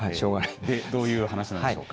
で、どういう話なんでしょうか。